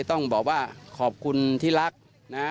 ต้องบอกว่าขอบคุณที่รักนะ